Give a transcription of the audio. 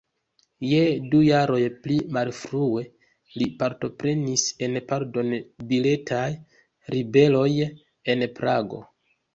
Je du jaroj pli malfrue li partoprenis en pardon-biletaj ribeloj en Prago.